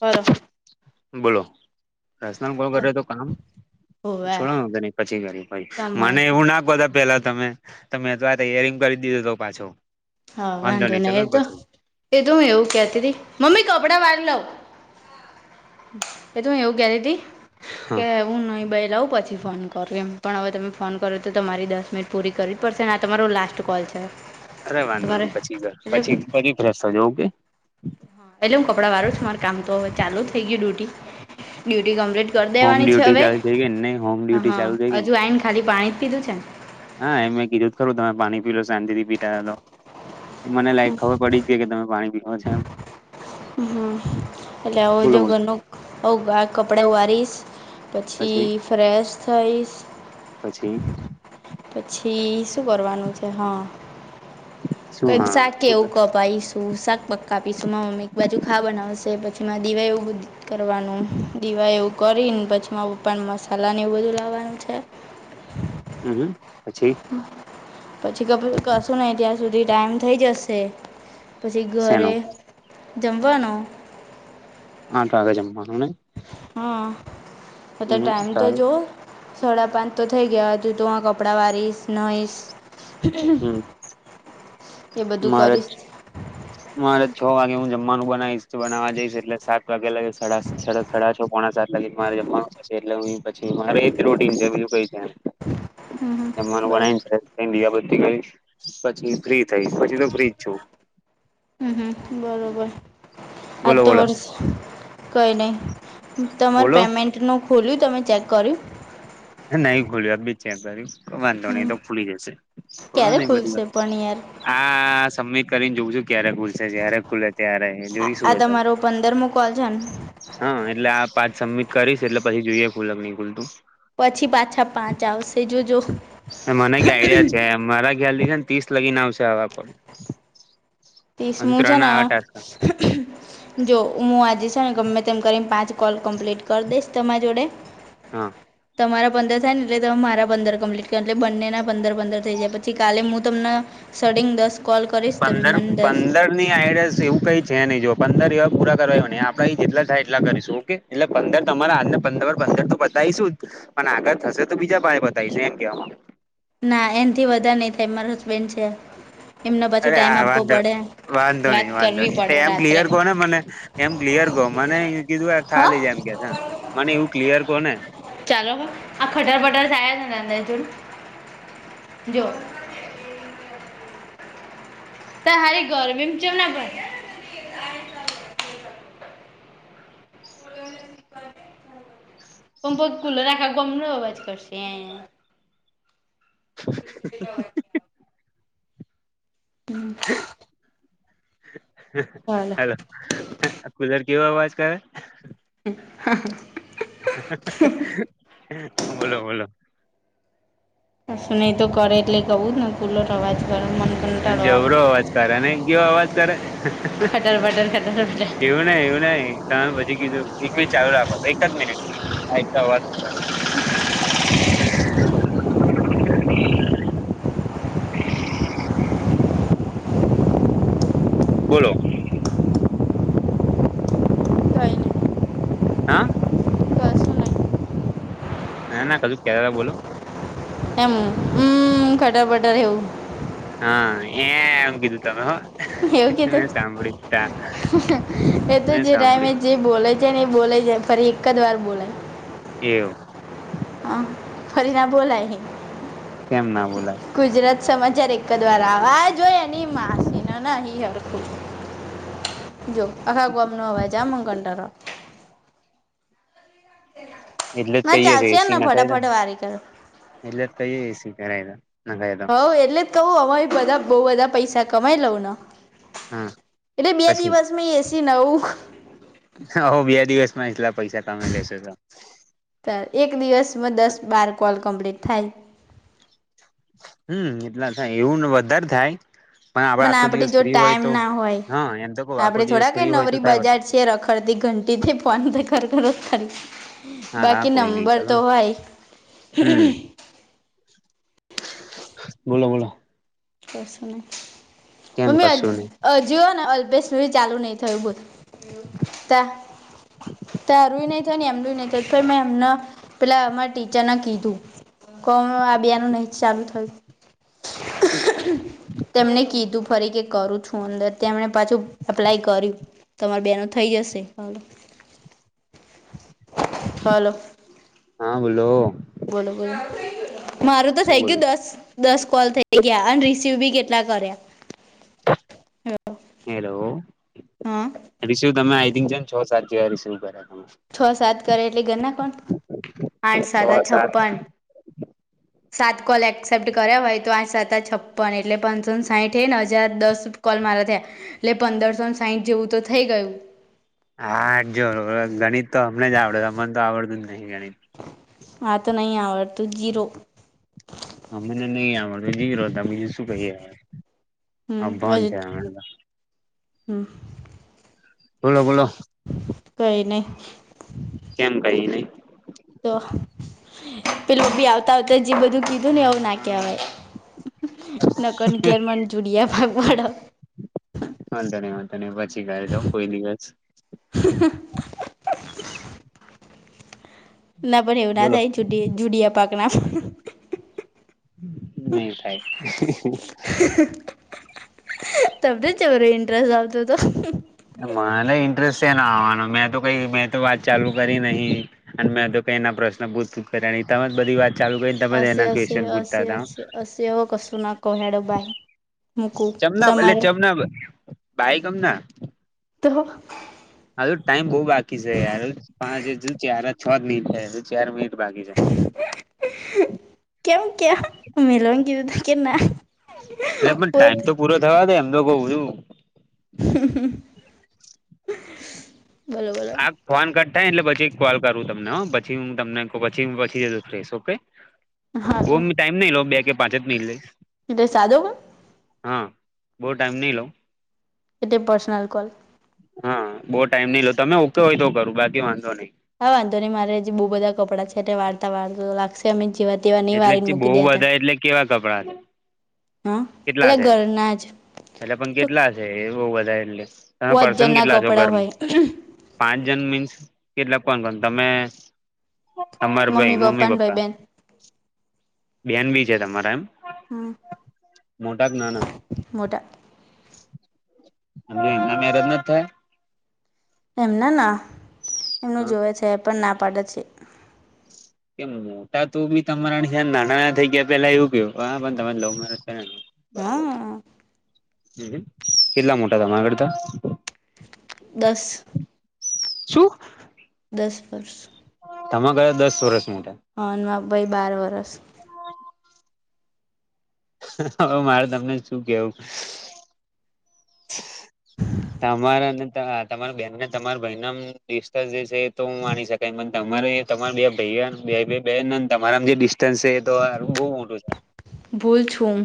હાલો. બોલો. પ્રસન કોલ કર્યો હતો કામ, હોવે છોડો પછી કર્યું પછ તમાર મને એવું નાખ પેલા તમે તમે, તો યરિંગ કરી દીધું હતો પાછો. હા વાંધો નહી ચલો ને એતો, પછી એ તો હું એવું કેતી હતી, મમ્મી કપડાં વાર લવ. પ ત હું એવું કેતી તી, હા કે હું ન બઈ લઉ પછી. ફોન કરો એમ પણ હવે તમે ફોન કરો તો તમારી દસ મિનિટ પૂરી કરી જ પડશે ને આ તમારો લાસ્ટ કોલ છે. અરે વાંધો તમારે નહી પછી ઘર એટલે પછી પછી ફ્રેશ થજ ઓકે. પેલે હું કપડાં વારું છું માર કામ તો હવે ચાલુ થઈ ગયું ડ્યુટી. ડ્યુટી કમ્પ્લીટ કરી દેવાની છે હવે. એ હોમ. હ ડ્યુટી ચાલુ થઈ હા હજુ ગઈ ને આવીઈને ખાલી પાણી જ પીધું છે ને. હા એમે કીધું જ ખરું તમે પાણી પી લો શાંતિ થી પીતા તો. મને લાઈક ખબર પડી ગઈ કે તમે પાણી પીવા છો એમ. હમ એટલે હું બોલો જો બોલો ઘરનું આ કપડા વારીશ. પછી ફ્રેશ થઈશ. પછી પછી શું કરવાનું છે હા. શું એક હા શું સાખવ કર કપ પાીશું શાક પક્કા આપીશું મા મમ્મી એક બાજુ ખા બનાવશે પછી મા દીવા એવું બધ કરવાનું દિવા એવું કરીને પછી મા પણ મસાલા ને એવું બધું લાવવાનું છે. હમ પછી? પછી કશું નહ ત્યાં સુધી ટાઈમ થઇ જશે. પછી ઘરે શેનો જમવાનો. આ ટ આગે જમવાનું ને. હા પ હમ ટાઈમ તો સારું જો. સોડા પાંચ તો થઈ ગયા હતું તોું આ કપડાં વારીશ નહીશ. એ બધું મારા [inaudible] હુંરે છ વાગે હું જમવાનું બનાવીશ બનાવા જઈશ એટલે સાત વાગ્યા લાગે સાડા સા સડક સડા છો પોણા સાત લગી મારે જ એટલે હ પછી મારે એ જ રોટીન છે બીજું કઈ છે. હમ હમ માર બરા બના દ બી ગય પછી ફ્રી થઈ પછી તું ફ્રીજ છુ. હમ હમ બરોબર, આ બોલો તો બોલો વર્ષ કઈ નહી. તમાર બોલો પેમેન્ટનું ખોલ્યું તમે ચેક કર્યું? ન ખોલ્યું બી ચ વાંધો નહી હમ તો ખુલી જશે થોડો ક્યારે ને એ બધી ખુલશે વાત પણ યાર હા સબમિટ કરીને જોઉં છું ક્યારે ખુલસે જય્યારે ખુલે ત્યારે જોઈશું આ એ તો તમારો પંદર મો કોલ છે ને હા એટલે આ પાંચ સબમિટ કરીશ એટલે પછી જોઈએ ખુલક નહી ખુલતું પછી પાછા પાંચ આવશે જોજો મને ક આઈડિયા છે મારા ખ્યાલ થી છે ને ત્રીસ લગીને આવશે હવે પણ ત્રીસ મુું છે ને જો હું આજે છે ને ગમે તેમ કરીને પાંચ કોલ કમ્પ્લીટ કરી દઈશ તમારી જોડે હા તમારા પંદર થાય ને એટલેમે મારા પંદર કમ્પ્લીટ એટલે બંનેના પંદર પંદર થઈ જાય પછી કાલે હું તમને સડીંગ દસ કોલ કરીશ તમે મને પણ - દસ પંદર ની આડ એવું કઈ છે નહી જો પંદર જેવા પૂરા કરવા આપડે જેટલા થાય એટલા કરીશું ઓકે એટલે પંદર તમારા હા ને પંદર પંદર તો બતાયશું જ પણ આગળ થશે તો બીજા પાય બતાવીશ એમ કેવા ના એનાથી વધારે નહી થાય મારા હસબેન્ડ છે એમને પાછો અરે ટાઈઇમ હા આપવો વાંધો પડે વાંધો વાત નહી વાંધો કરવી નહીિ પડે એમ રાત્રે ક્લિયર કોને મને એમ ક્લિયર કહો મને કીધું હા ખાલી છે એમ કે મને એવું ક્લિયર કહો ને ચાલો હ આ ફટા ફટ થાય કરે ને જોની જો ત હારી ગરમીમાં ચાલની પ પણ કુલો રાખા ગમ ન અવાજ કરશે હમ્મ ચાલો હાલો કુલર કેવો અવાજ કરે હ હા હા બોલો બોલો સુું ન તો કરે એટલે કહું ને કુલર અવાઝ કરેને મને પણ કંટાળો આવે જબરો અવાજ કાડેને કેયો અવાજ કરે ખાદર બદર ખાદર બદર - એવું નહી એવું નહી તમે પછી કીધું એક મિનિટ ચાલુ રાખો એક જ મિનિટ આ કટે આવાઝ કરે - [inaudible] બોલો કઈ નઈ હાં કશું નહીં ના ના કું કે્યારેલા બોલો એમ અમમ ખટર બટર એવું હા એ એમ કીધું તમે હ એવું કીધું એ તો મેં જે ટાયમે સાંભળ્યું જે બોલે છે ને એ બોલે છે ફરી એક જ વાર બોલે એવું હ ફરીના બોલાય હ કેમ ના બોલાય ગુજરાત સમાચાર એક જ વાર આવા આ જોય હોય એ માસી ન હળખું જો આખા ગુમ ન હ જ મંગન તાર એટલે જ ના કહીએ છે ચાલશેને એસી નખાય દો ફટાફટ વારી કરૂ - એટલે જ કહીએ એસી કરાઈ દો નોંધાઈ દો હવ એટલે જ કહું એવી બધા બહ બધા પૈસા કમાઈ લઉંને હા એટલે બે પછી દિવસ અમે એસી નવું. હો બે દિવસમાં એટલા પૈસા કમાઈ લેશો તમે એક દિવસમાં દસ બાર કોલ કમ્પ્લીટ થાય. હમ એટલા થાય એવું ને વધાર થાય. પણ આપડે આખો દિવસ આપણી જો ફ્રી હોય ટાઈમ તો ના હોય હા એમ તો કહું આખો દિવસ ફ્રી હોય તો થાય વળી. તે રખડતી ઘંટી ભી ફોન પે કર કર જ કરે હા હા બાકી કોઈ નઈ નંબર ચાલો તો હય હમ [unintelligible] બોલો બોલો. [unintelligible] બન કેમ મ્મી કશું નહી આજ [unintelligible] હજઓ ને અલ્પેેશ સુધી ચાલુ નહી થયું બોલ આવું તા તારું નહી થયુ ને એમનું નહી થયું મે એમના પેલા અમારા ટીચર ને કીધું. કો આ બે નું નહીં ચાલુ થયું. તેમને કીધું ફરી કે કરું છું અંદર તેમને પાછું એપ્લાય કર્યું. તમાર બેનો થઈ જશે હાલો હલો. હા બોલો. બોલો બોલો મારું તો શું થઇ બોલો ગયું દસ દસ કોલ થઈ ગયા અને રીસીવ બી કેટલા કર્યા. હાલો. હેલો રિશી તમે આઈ થિન્ક છે ને છ સાત જેવા રીસીવ કર્યા તમે છ સાત કરે એટલે ઘરના કોણ આઠ સાત આ છપ્પન સાત કોલ એક્સેપ્ટ કર્યા હોય તો આઠ સાત આઠ છપ્પન એટલે પંચોન સાઠ એને હજાર દસ કોલ મારા થયા એટલે પંદરસોને સાહીઠ જેવું તો થઈ ગયું. હા જો ગણિત તો હમને જ આવડે છે અમને તો આવડતું જ નહી ગણિત. હા તો નહી આવડતું જીરો અમને નહી આવડતું જીરો ત્યાર બીજું શું કહીએ અવે હમ અભણ હજ છે અમે તો હમ. બોલો બોલો. કઈ નહી. કેમ કઈ નહી. તો પેલુ બી આવતા આવતા જે બધું કીધું ને અવુ ના કેવાય નકન કેર મન જુડીયા ભાગવાડ હા તને હ તને પછી ગાય જાવ કોઈ દિવસ હ [inaudible] ના પણ એવું ના બોલો થાય જુ જુડિયા પાક ના પણ [inaudible] નહી થાય. તમને જબરો ઇન્ટરેસ્ટ આવતો હતો. મને ઇન્ટરેસ્ટ સેનો આવવાનો મેં તો કઈ મેં તો વાત ચાલુ કરી નહી. અને મેં તો કઈ એના પ્રશ્ન પૂછત કર્યા ન તમે બધી વાત ચાલુ કરીને હશે તમેના હશે ક્વન પૂછતા હશે હતા. હશે હશે અવે કશું ના કહું હેડો બાય. મૂકું ચમના એટલે તમારો ચમના ભાઈ ગમના તો હજુ ટાઈમ બઉુ બાકી છે યાર પાંચ હજુ ચાર છ જ નહીં થયા હજુ ચાર મિનિટ બાકી છે. કેમ ક્યા મલુંંગી દીધા કેના અલા પણ ટાઈમ તો પૂરો થવા દે એમ તો કહું છું. બોલો બોલો. આ ફોન કટ થાય એટલે પછી કોલ કરવું તમને પછી હું તમને પછી પછી જ ફસ ઓકે [inaudible] બહુ ટાઈમ નઈ લઉં બે કે પાંચ જ મિ લઈસ એટલે સાધોમા હા બહુ ટાઈમ નહી લઉ એ તે પર્સનલ કોલ. હા બહુ ટાઈમ નઈ લો તમે ઓકે હોય તો કરો બાકી વાંધો નઈ. હા વાંધો નહીં મારે જે બહુ બધા કપડાં છે તે વાળતા વાર લાગશે. તે અમે જેવા તેવા નહીં એટલે વારી ને બહુ મૂકી દેતા. બધા એટલે કેવા કપડાં ને. હા એટલે ઘરના જ. એટલે પણ તો કેટલા છે એવું બધા એટલે તમે પોચ પર્સન જણના કેટલા છો કપડાં ઘરમાં હોય પાંચ જન મીન્સ કેટલા પા તમે તમાર ભાઈ મમ્મી ને ભાઈ પપ્પા બેન બેન બી છે તમારા એમ હમ મોટા કે નાના મોટા અને એના મેરજ નથ થયા. એમને ના એમનું હા જોવે છે એ પણ ના પાડે છે. કે મોટા તો બી તમારા થી નાના ના થઈ ગયા પેલા એવું કયું હા પણ તમારા લવ મેરેજ. હમ બરાબર હા છે કેટલા મોટા તમારા કરતાં. દસ. શું. દસ વર્ષ. તમાર કરતા દસ વર્ષ મોટા. અન મા ભાઈ બાર વરસ. હવે મારે તમને શું કેવું. તમારા અને તહા તમારી બેનને તમારા ભાઈ નામ. ડિસ્ટન્સ જે છે એ તો હું માણી શકાય મન તો તમારે તમારા બે ભાઈ આ બે બે બેન ન તમારા જે ડિસ ડિસટેન્સ હે તો હારુ બહુ મોટું છે. ભૂલ છું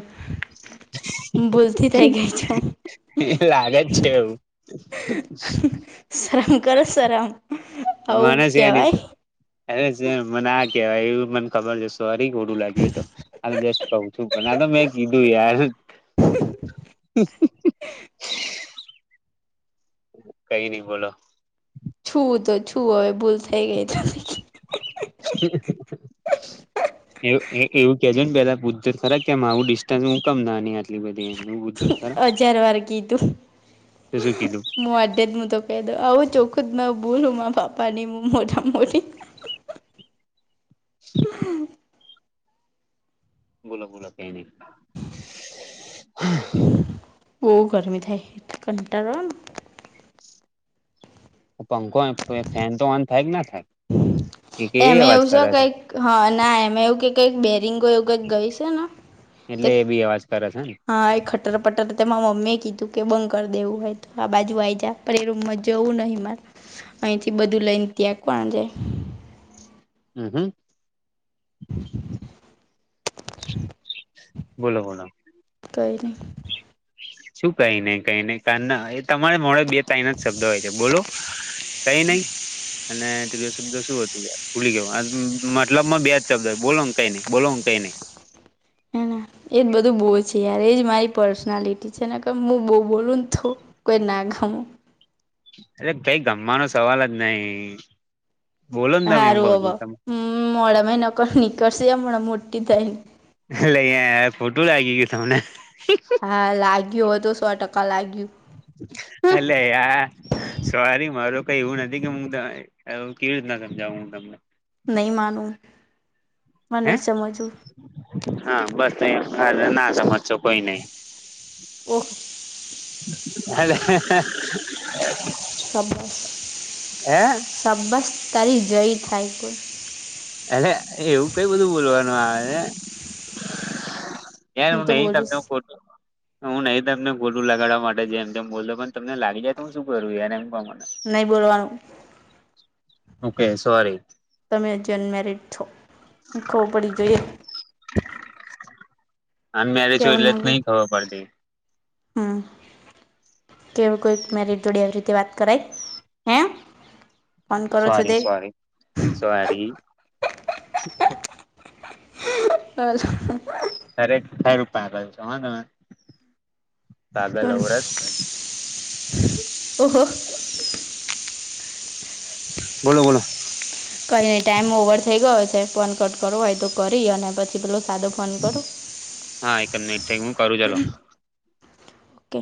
ભૂલથી છે થઇ ગઈ છું. એ લાગે જ એવું. શરમ કરો શરમ આવું મને છે કેવાય. એની અરે સ મને ના કેવાય એવું મને ખબર જ. સોરી ખોટું લાગ્યું હોય તો આ જસ્ટ કઉ છું પણ આ તો મેં કીધું યાર હ [inaudible] કઈ નઈ બોલો. છું તો છું હવે ભૂલ થઈ ગઈ છે. જ [inaudible] એવું એ એવું કેજો ને પેલા પુછજે ખરા કેમ આવું ડિસ્ટન્સ હું કેમ નાની હતી. એટલી બધી એમનુ. હજાર વાર કિધુ તો શું કીધું મોઢે મુું તો. કે દો આવું ચોખું જ ન ભૂલું મા પાપાની હ મોટા મોટી. હ [inaudible] બોલો બોલો કઈ નહી. બહુ ગરમી થાય કંટાળો આવે. પંખો અ ફે ફેન તો ઓન થાય કે ના થાય. એ કે એ એમે અવાજ એવું છે કરે કઈક હ ના એમે એવું કે કઈ બેરિંગો એવું કઈક ગઈ છે ને. તે એટલે એ બી અવાજ કરે છે ને. હા એ ખટ્ટર પટર તેમાં મમ્મી એ કીધું કે બંગ કરી દેવું હોય તો આ બાજુ આઈ જા. પણ એ રૂમમાં જવું નહી મારે અહીંથી બધું લઈને ત્યાં કોણ જાય. હમ હમ. [unintelligible] બોલો બોલા. કાઈ નહી. શું કઈ નઈ કઈ નઈ કાન એ તમારે મોડે. બે તઇના જ શબ્દ હોય કે બોલો કઈ નહી અને તજું. શબ્દ શું હતું યાર ભૂલી ગયો મતલબમાં બે જ શબ્દો બો કઈ નઈ બોલો કઈ નઈ. હ એજ બધું બહુ છે યાર એજ મારી પર્સનાલિટી છે ને કે હું બહુ બોલું ને તો કોઈ ના ખામ અરે કઈ ગમવાનો સવાલ જ નહી. બોલો ને તમે એમ કઉ છો તમે [unintelligible] [unintelligible] ખોટું લાગી ગયું તમને હા લાગ્યું હતું સો ટકા લાગ્યું. અલે યાર સોરી મારો કઈ એવું નથી કે હું [unintelligible] એવું કેવીત ના સમજાવું હું તમને. નહી માનું માર હે નહી સમજવુ. હા બસ [unintelligible] ના સમજશો કોઈ નઈ. ઓહ [inaudible] હે [unintelligible] [unintelligible] એવું કઈ બધું બોલવાનું આવે. [unintelligible] હું તો બોલીશ નહી તમને [unintelligible] લગાડવા માટે જેમ તેમ બોલતો પણ તમને લાગ જાય તો હું શું કરું યાર એમ કો મને નહીં બોલવાનું. ઓકે સોરી [unintelligible] [unintelligible] એટલે જ નઈ ખબર પડતી. હા કેવું કોઈક મેરિટ જોડે રીતે વાત કરાય હે. ફોન કરો છો સોરી તે સોરી સોરી [inaudible] [unintelligible] પાગલ ઔરત ઓહો બોલો બોલો કઈ નઈ ટાઈમ ઓવર થઈ ગયો છે ફોન કટ કરવો હોય તો કરી અને પછી પેલો સાદો ફોન કરો [unintelligible] હું કરું ચાલો ઓકે